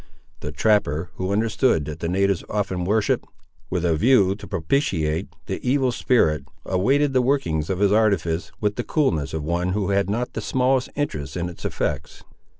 The trapper, who understood that the natives often worshipped, with a view to propitiate, the evil spirit, awaited the workings of his artifice, with the coolness of one who had not the smallest interest in its effects.